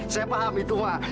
saya paham itu mah